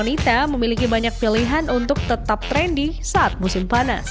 wanita memiliki banyak pilihan untuk tetap trendy saat musim panas